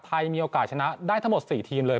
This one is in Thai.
มีโอกาสชนะได้ทั้งหมด๔ทีมเลย